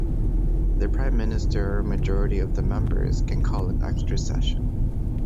The Prime Minister or a majority of the members can call an extra session.